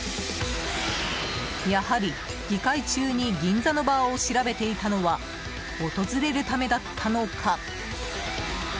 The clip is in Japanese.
やはり、議会中に銀座のバーを調べていたのは訪れるためだったのか。